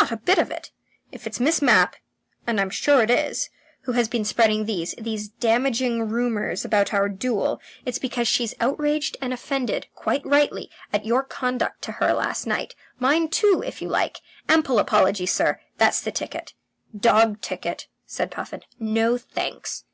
"Not a bit of it. If it's Miss Mapp, and I'm sure it is, who has been spreading these these damaging rumours about our duel it's because she's outraged and offended quite rightly, at your conduct to her last night. Mine, too, if you like. Ample apology, sir, that's the ticket." "Dog ticket," said Puffin. "No thanks."